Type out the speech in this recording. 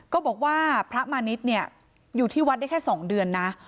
บอกว่าพระมาณิชย์เนี่ยอยู่ที่วัดได้แค่๒เดือนนะ